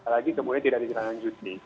lagi kemudian tidak dijalankan judi